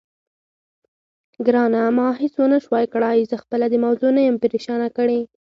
ګرانه، ما هېڅ ونه شوای کړای، زه خپله دې موضوع نه یم پرېشانه کړې.